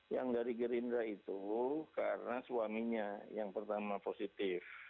yang dari gerindra itu karena suaminya yang pertama positif